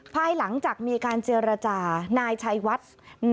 ภายหลังจากมีการเจรจานายชัยวัด